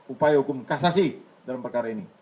upaya hukum kasasi dalam perkara ini